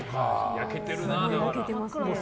焼けてるもんな。